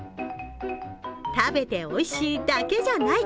食べておいしいだけじゃない！